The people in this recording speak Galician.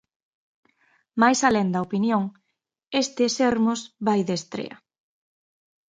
Mais alén da opinión, este Sermos vai de estrea.